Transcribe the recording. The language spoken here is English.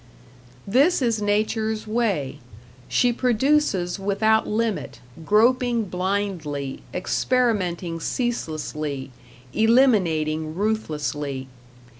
This is Nature's way; she produces without limit, groping blindly, experimenting ceaselessly, eliminating ruthlessly.